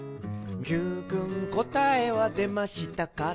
「Ｑくんこたえは出ましたか？」